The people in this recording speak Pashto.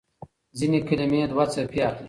ځينې کلمې دوه څپې اخلي.